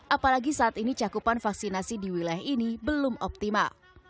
apalagi saat ini cakupan vaksinasi di wilayah ini belum optimal